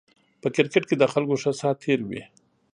په کرکېټ کې د خلکو ښه سات تېر وي